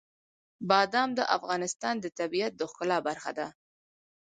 بادام د افغانستان د طبیعت د ښکلا برخه ده.